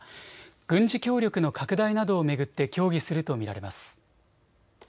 軍事協力の拡大などを巡って協議すると見られます。